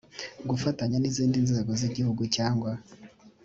gufatanya n izindi nzego z igihugu cyangwa